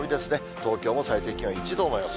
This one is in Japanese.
東京も最低気温１度の予想。